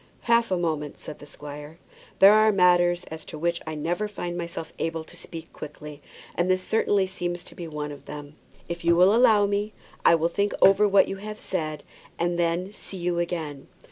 "Half a moment," said the squire. "There are matters as to which I never find myself able to speak quickly, and this certainly seems to be one of them. If you will allow me I will think over what you have said, and then see you again."